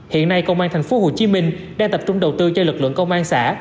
hiện nay công an tp hcm đang tập trung đầu tư cho lực lượng công an xã